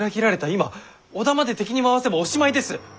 今織田まで敵に回せばおしまいです！